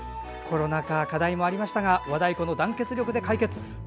コロナ禍、課題もありましたが和太鼓の団結力で解決。